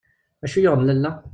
D acu yuɣen lalla?